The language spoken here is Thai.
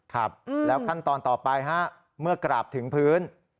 ครับแล้วขั้นตอนต่อไปฮะเมื่อกราบถึงพื้น